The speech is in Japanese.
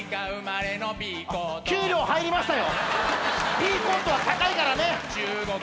ピーコートは高いからね。